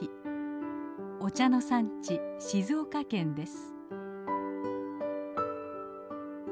お茶の産地静岡県です。